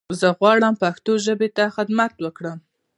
زه غواړم پښتو ژبې ته خدمت وکړم.